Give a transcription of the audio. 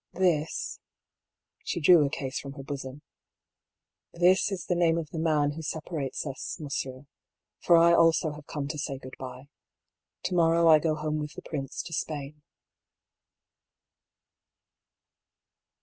... This" (she drew a case from her bosom), "this is the name of the man who separates us, monsieur, for I also have come to say good bye. To morrow I go home with the prince to Spain."